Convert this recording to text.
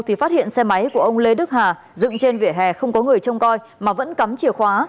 thì phát hiện xe máy của ông lê đức hà dựng trên vỉa hè không có người trông coi mà vẫn cắm chìa khóa